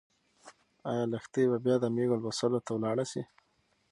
ايا لښتې به بیا د مېږو لوشلو ته لاړه شي؟